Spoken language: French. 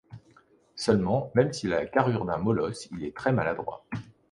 Seulement, même s'il a la carrure d'un molosse, il est très maladroit.